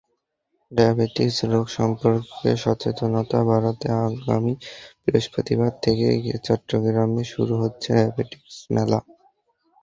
Diabetic রোগ সম্পর্কে সচেতনতা বাড়াতে আগামী বৃহস্পতিবার থেকে চট্টগ্রামে শুরু হচ্ছে ডায়াবেটিক মেলা।